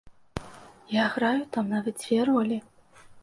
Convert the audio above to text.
Я граю там нават дзве ролі.